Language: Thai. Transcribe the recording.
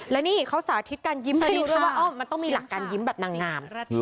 และนี่เขาสาธิตการยิ้มให้รู้ด้วยว่ามันต้องมีหลักการยิ้มแบบนางงาม